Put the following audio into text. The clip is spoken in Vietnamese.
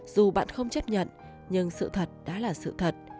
dù bạn không chấp nhận nhưng sự thật đã là sự thật